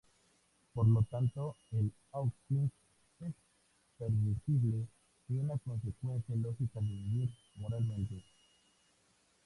Por lo tanto, el outing es "permisible y una consecuencia lógica de vivir moralmente".